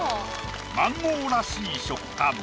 マンゴーらしい食感。